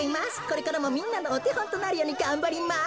これからもみんなのおてほんとなるようにがんばります。